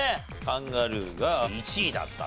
カンガルーが１位だったと。